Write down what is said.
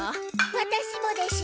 ワタシもでしゅ。